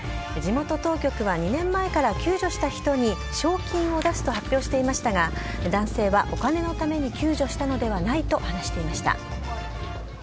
地元当局は２年前から救助した人に賞金を出すと発表していましたが、男性はお金のために救助したのではないと話していました。